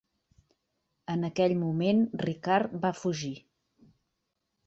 En aquell moment, Rickard va fugir.